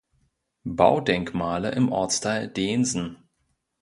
Baudenkmale im Ortsteil Deensen.